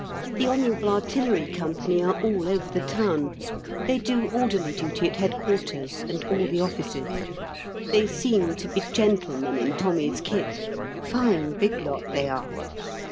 The H.A.C. are all over the town: they do orderly duty at Headquarters and all the Offices; they seem to be gentlemen in Tommy's kit; fine big lot they are.